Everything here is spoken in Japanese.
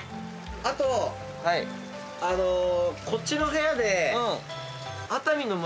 あとこっちの部屋で。